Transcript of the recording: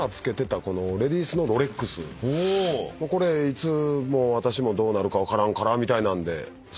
「これいつ私もどうなるか分からんから」みたいなんで。